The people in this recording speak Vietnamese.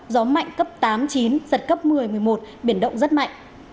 gió mạnh cấp tám chín giật cấp một mươi một mươi một biển động rất mạnh